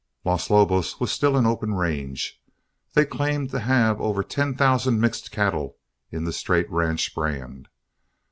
Los Lobos was still an open range. They claimed to have over ten thousand mixed cattle in the straight ranch brand.